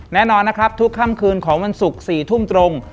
แน่นอนนะครับทุกค่ำคืนของวันศุกร์๔ทุ่มตรง